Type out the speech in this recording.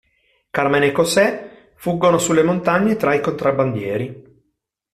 Carmen e José fuggono sulle montagne tra i contrabbandieri.